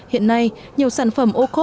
hiện nay nhiều sản phẩm ocob đã được tổ chức